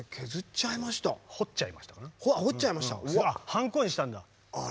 ハンコにしたんだ。